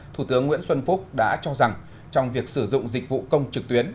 thủ tướng nguyễn xuân phúc đã cho rằng trong việc sử dụng dịch vụ công trực tuyến